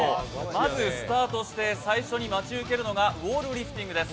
まずスタートして最初に待ち受けるのがウォールリフティングです。